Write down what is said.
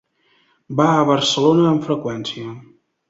Va a Barcelona amb freqüència.